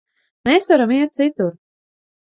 Mēs varam iet citur.